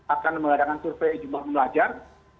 akan mengadakan survei jumlah belajar